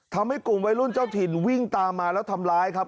ทำให้กลุ่มวัยรุ่นเจ้าถิ่นวิ่งตามมาแล้วทำร้ายครับ